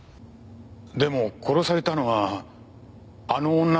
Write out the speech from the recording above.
でも殺されたのはあの女だった。